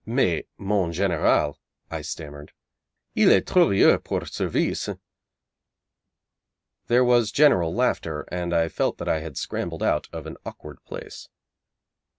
'Mais, mon general,' I stammered, 'il est trop vieux pour service.' There was general laughter, and I felt that I had scrambled out of an awkward place.